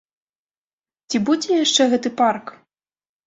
Ці будзе яшчэ гэты парк?